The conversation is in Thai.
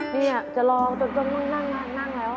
เนี่ยจะรอจนร่วงนั่งแล้ว